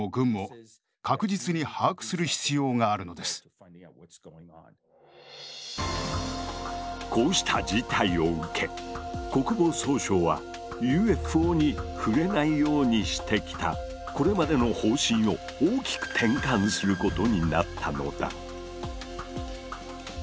これはこうした事態を受け国防総省はＵＦＯに触れないようにしてきたこれまでの方針を大きく転換することになったのだ。